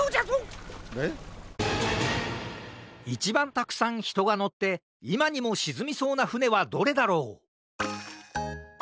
いちばんたくさんひとがのっていまにもしずみそうなふねはどれだろう？